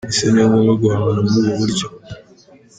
Ese ni ngombwa guhangana muri ubu buryo?